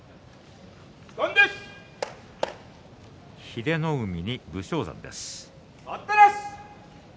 英乃海に武将山です。